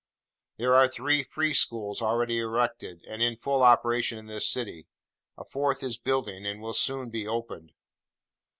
There are three free schools already erected, and in full operation in this city. A fourth is building, and will soon be opened.